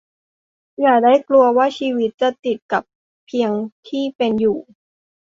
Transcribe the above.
อย่าได้กลัวว่าชีวิตจะติดกับเพียงที่เป็นอยู่